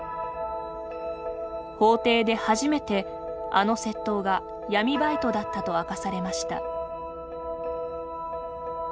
法廷で初めて、あの窃盗が闇バイトだったと明かされました。